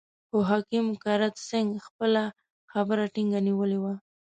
خو حکیم کرت سېنګ خپله خبره ټینګه نیولې وه.